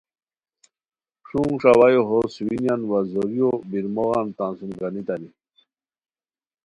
شونگ ݰاوئیو ہوسوئینیان وا زوریو بیر موغان تان سُم گانیتائے